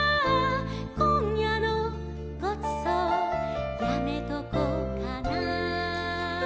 「今夜のごちそうやめとこうかな」